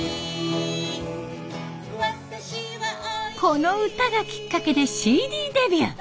この歌がきっかけでＣＤデビュー。